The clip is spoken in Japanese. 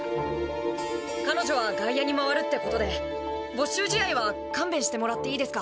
彼女は外野にまわるってことで没収試合は勘弁してもらっていいですか？